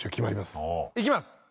いきます。